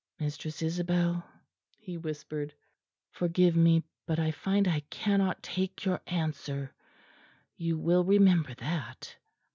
"Mistress Isabel," he whispered; "forgive me; but I find I cannot take your answer; you will remember that."